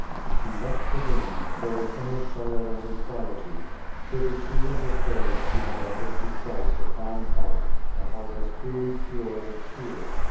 She left the room, full of inner sorrow and inquietude. Hitherto in her prayers she had offered to Christ a calm heart, a heart as truly pure as a tear.